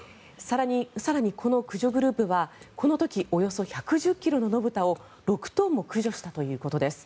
更に、この駆除グループはこの時およそ１１０ｋｇの野豚を６頭も駆除したということです。